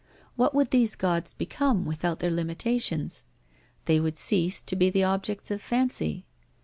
What would these Gods become without their limitations? They would cease to be the objects of Fancy.